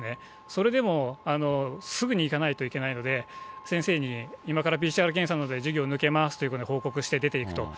それでもすぐに行かないといけないので、先生に今からＰＣＲ検査なので、授業抜けますというふうな報告して出ていくと。